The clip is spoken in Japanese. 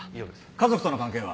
家族との関係は？